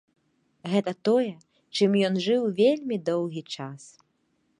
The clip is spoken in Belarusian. Гэта тое, чым ён жыў вельмі доўгі час.